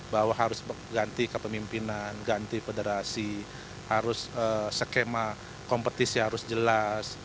bahwa harus ganti kepemimpinan ganti federasi harus skema kompetisi harus jelas